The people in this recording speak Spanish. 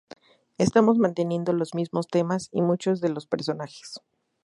Estamos manteniendo los mismos temas y muchos de los personajes.